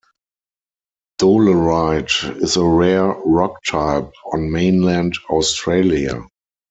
Dolerite is a rare rock type on mainland Australia.